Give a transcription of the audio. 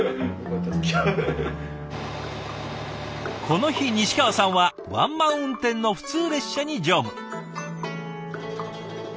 この日西川さんはワンマン運転の普通列車に乗務。